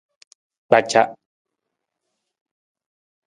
Kpaca.